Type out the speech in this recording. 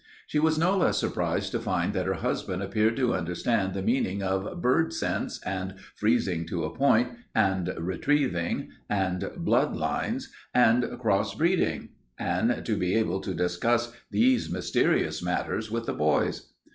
She was no less surprised to find that her husband appeared to understand the meaning of "bird sense" and "freezing to a point" and "retrieving" and "blood lines" and "cross breeding" and to be able to discuss these mysterious matters with the boys.